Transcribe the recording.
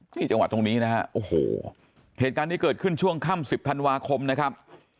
ที่จังหวัดตรงนี้นะฮะโอ้โหเหตุการณ์นี้เกิดขึ้นช่วงค่ำ๑๐ธันวาคมนะครับ